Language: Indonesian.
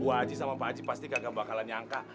bu haji sama pak haji pasti kagak bakalan nyangka